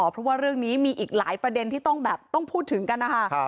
เพราะว่าเรื่องนี้มีอีกหลายประเด็นที่ต้องแบบต้องพูดถึงกันนะคะ